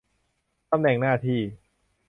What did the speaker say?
ตำแหน่งหน้าที่